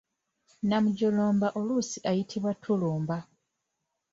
Namunjoloba oluusi eyitibwa ttuluba.